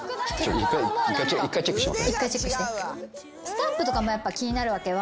スタンプとかもやっぱ気になるわけ。